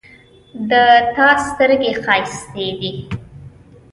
د تا سترګې ښایستې دي